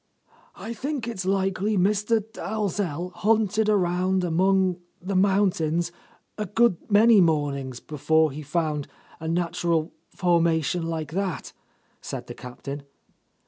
"I think it's likely Mr. Dalzell hunted around among the mountains a good many mornings be fore he found a natural formation like that," said the Captain.